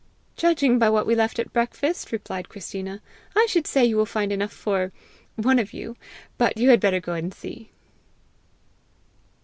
"Judging by what we left at breakfast," replied Christina, "I should say you will find enough for one of you; but you had better go and see."